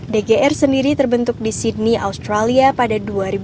dgr sendiri terbentuk di sydney australia pada dua ribu dua